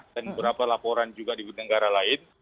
dan beberapa laporan juga di negara lain